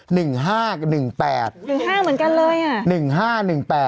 ๑๕เหมือนกันเลยน่ะ